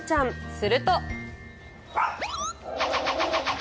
すると。